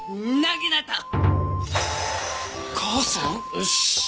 よし。